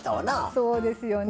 そうですよね。